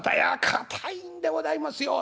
「堅いんでございますよ。